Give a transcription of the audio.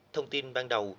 thông tin ban đầu